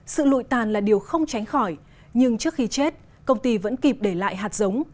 sự lụi tàn là điều không tránh khỏi nhưng trước khi chết công ty vẫn kịp để lại hạt giống